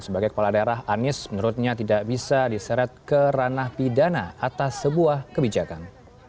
sebagai kepala daerah anies menurutnya tidak bisa diseret ke ranah pidana atas sebuah kebijakan